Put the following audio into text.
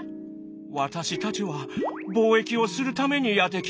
「私たちは貿易をするためにやって来ました」。